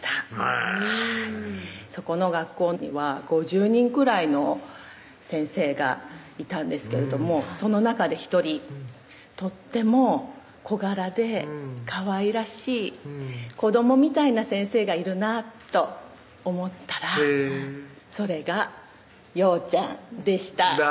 へぇそこの学校には５０人くらいの先生がいたんですけれどもその中で１人とっても小柄でかわいらしい子どもみたいな先生がいるなと思ったらそれが洋ちゃんでした